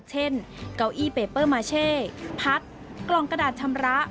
เช่นเก้าอี้เปเปอร์มาเช่พัดกล่องกระดาษชำระ